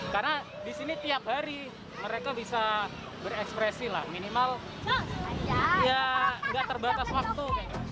karena di sini tiap hari mereka bisa berekspresi lah minimal ya tidak terbatas waktu